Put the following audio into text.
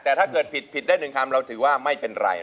แต่ถ้าเกิดผิดผิดได้๑คำเราถือว่าไม่เป็นไร